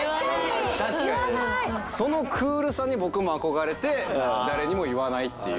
そのクールさに僕も憧れて誰にも言わないっていう。